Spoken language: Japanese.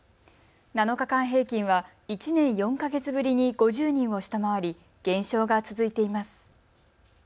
７日間平均は１年４か月ぶりに５０人を下回り減少が続いています。